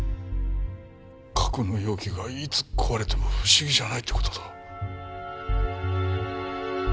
格納容器がいつ壊れても不思議じゃないってことだ。